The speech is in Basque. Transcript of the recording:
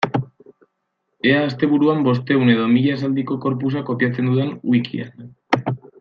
Ea asteburuan bostehun edo mila esaldiko corpusa kopiatzen dudan wikian.